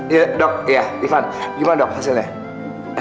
iya dok ya ivan gimana dok hasilnya